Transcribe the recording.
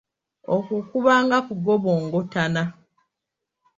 Okwo kuba kugobongotana.